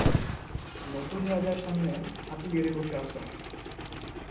নতুন রাজার সামনে হাঁটু গেড়ে বসে আছে।